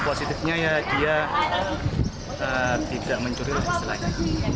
positifnya ya dia tidak mencuri lah istilahnya